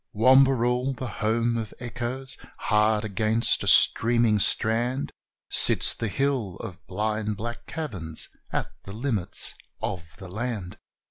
Wamberal, the home of echoes! Hard against a streaming strand, Sits the hill of blind black caverns, at the limits of the land.